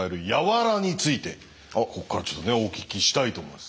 ここからちょっとねお聞きしたいと思います。